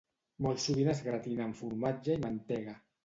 Molt sovint es gratina amb formatge i mantega.